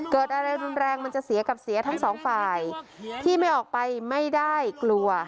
เกิดอะไรรุนแรงมันจะเสียกับเสียทั้งสองฝ่ายที่ไม่ออกไปไม่ได้กลัว